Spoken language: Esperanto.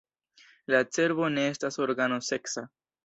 La cerbo ne estas organo seksa.